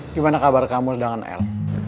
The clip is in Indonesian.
gimana kabar kamu dengan el